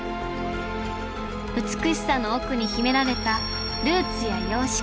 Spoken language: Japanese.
美しさの奥に秘められたルーツや様式。